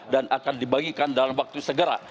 dan akan dibagikan dalam waktu segera